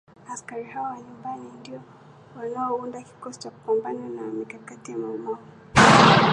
Askari hao wa nyumbani ndio waliounda kikosi cha kupambana na mikakati ya Mau Mau